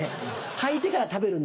履いてから食べるの？